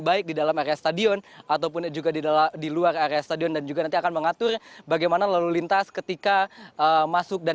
baik di dalam area stadion ataupun juga di luar area stadion dan juga nanti akan mengatur bagaimana lalu lintas ketika masuk dan